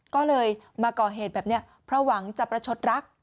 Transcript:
ก็เลยมาก่อเหตุแบบนี้เพราะหวังจะประชดรัก